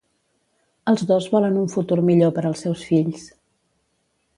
Els dos volen un futur millor per als seus fills.